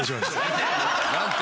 ・何て？